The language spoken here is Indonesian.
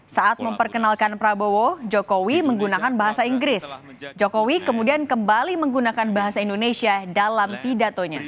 saat memperkenalkan prabowo jokowi menggunakan bahasa inggris jokowi kemudian kembali menggunakan bahasa indonesia dalam pidatonya